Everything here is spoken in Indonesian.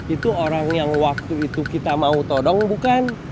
itu orang yang waktu itu kita mau todong bukan